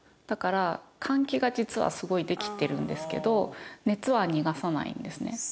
だから換気が実はすごいできてるんですけど熱は逃がさないんですね。